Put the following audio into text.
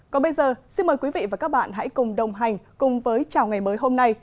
còn bây giờ xin mời quý vị và các bạn hãy cùng đồng hành cùng với chào ngày mới hôm nay